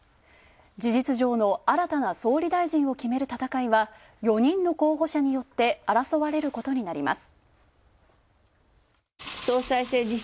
事実上の新たな総理大臣を決める戦いは４人の候補者によって争われることになります。